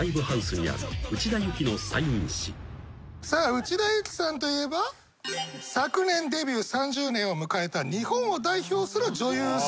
内田有紀さんといえば昨年デビュー３０年を迎えた日本を代表する女優さんでございます。